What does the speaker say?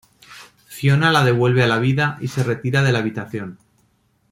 Fiona la devuelve a la vida y se retira de la habitación.